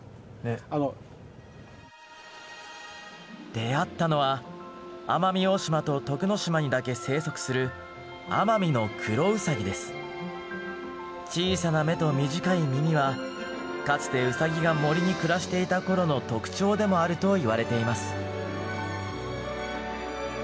出会ったのは奄美大島と徳之島にだけ生息する小さな目と短い耳はかつてウサギが森に暮らしていた頃の特徴でもあるといわれています。